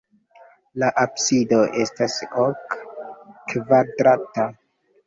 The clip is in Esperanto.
La absido estas ok-kvadrata.